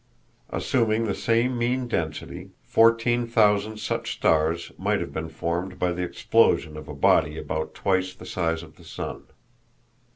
Assuming the same mean density, fourteen thousand such stars might have been formed by the explosion of a body about twice the size of the sun.